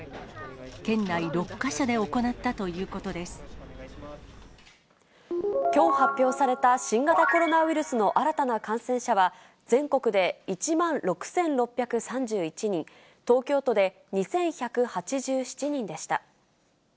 県内６か所で行ったということできょう発表された新型コロナウイルスの新たな感染者は、全国で１万６６３１人、東京都で２１８７人でした。